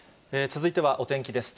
続いてはお天気です。